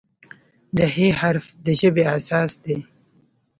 د "ه" حرف د ژبې اساس دی.